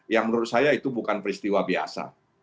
yang menurut saya itu bukan peristiwa biasa